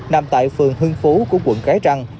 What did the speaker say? nằm tại phường hưng phú của quận khái răng